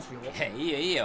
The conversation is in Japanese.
いいよいいよ